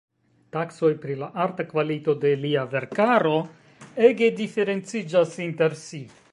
Taksoj pri la arta kvalito de lia verkaro ege diferenciĝas inter si.